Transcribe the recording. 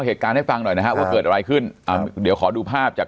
เหตุการณ์ให้ฟังหน่อยนะฮะว่าเกิดอะไรขึ้นอ่าเดี๋ยวขอดูภาพจาก